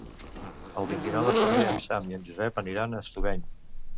El vint-i-nou de febrer en Sam i en Josep aniran a Estubeny.